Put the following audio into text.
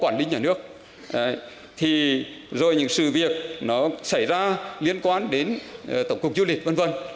quản lý này thì nó rất là đáng nhưng mà mình sống ở nhà nước thì rồi những sự việc nó xảy ra liên quan đến tổng cục du lịch vân vân